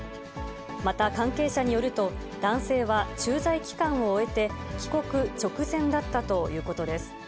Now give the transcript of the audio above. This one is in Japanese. また関係者によると、男性は駐在期間を終えて、帰国直前だったということです。